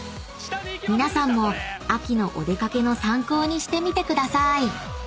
［皆さんも秋のお出掛けの参考にしてみてください］